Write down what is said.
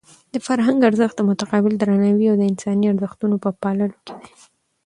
د فرهنګ ارزښت د متقابل درناوي او د انساني ارزښتونو په پاللو کې دی.